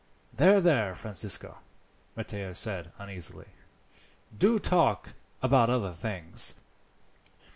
"There, there, Francisco," Matteo said uneasily. "Do talk about other things.